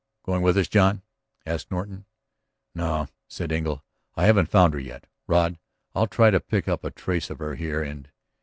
"Going with us, John?" asked Norton. "No," said Engle. "We haven't found her yet, Rod. I'll try to pick up a trace of her here. And